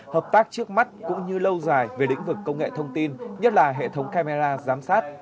hợp tác trước mắt cũng như lâu dài về lĩnh vực công nghệ thông tin nhất là hệ thống camera giám sát